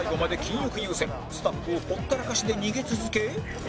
スタッフをほったらかしで逃げ続け